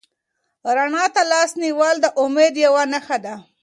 رڼا ته لاس نیول د امید یوه نښه ده.